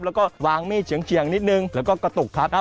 แล้วก็วางมีดเฉียงนิดนึงแล้วก็กระตุกพัดเอา